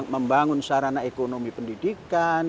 membangun sarana ekonomi pendidikan